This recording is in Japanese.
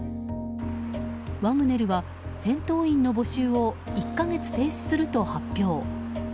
ワグネルは戦闘員の募集を１か月停止すると発表。